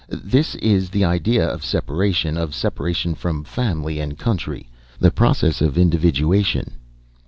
This is the idea of separation, of separation from family and country. The process of individuation."